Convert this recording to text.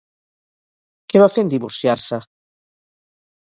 Què va fer en divorciar-se?